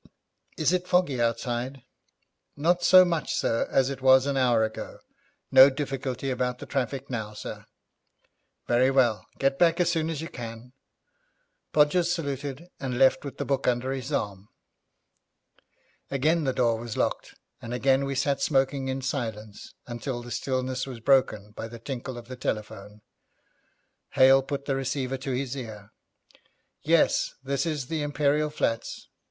'Is it foggy outside?' 'Not so much, sir, as it was an hour ago. No difficulty about the traffic now, sir.' 'Very well, get back as soon as you can.' Podgers saluted, and left with the book under his arm. Again the door was locked, and again we sat smoking in silence until the stillness was broken by the tinkle of the telephone. Hale put the receiver to his ear. 'Yes, this is the Imperial Flats.